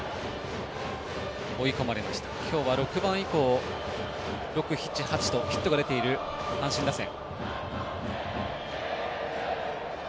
今日は６番以降６、７、８とヒットが出ている阪神打線。